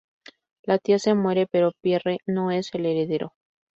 La tía se muere, pero Pierre no es el heredero.